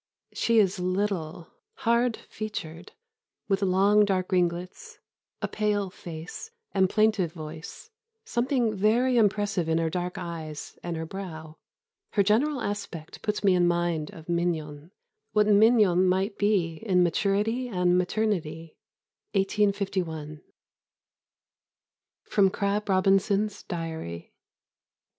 ] "She is little, hard featured, with long dark ringlets, a pale face, and plaintive voice, something very impressive in her dark eyes and her brow. Her general aspect puts me in mind of Mignon, what Mignon might be in maturity and maternity." 1851. [Sidenote: Crab Robinson's Diary.